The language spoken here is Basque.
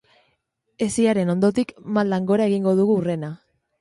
Hesiaren ondotik maldan gora egingo dugu hurrena.